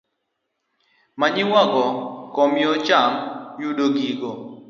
Manyiwa go komyo cham yudo gigo